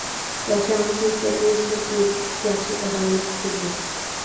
باشلانغۇچ مەكتەپنى سىنىپ بويىچە ئۈچتە ياخشى باھالىنىپ پۈتتۈردۈم.